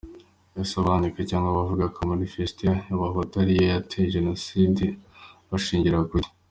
Ese abandika, cyangwa abavuga ko Manifeste y’abahutu ariyo yateye jenoside bashingira ku ki ?